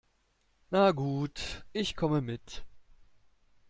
Na gut, ich komme mit.